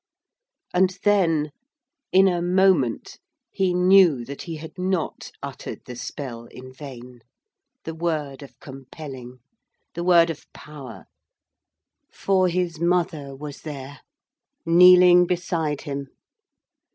And then, in a moment, he knew that he had not uttered the spell in vain, the word of compelling, the word of power: for his mother was there kneeling beside him.